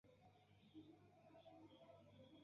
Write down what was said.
Necesis ŝanĝo de la statutoj.